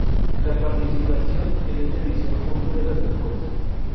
La participación en esta edición no fue de las mejores.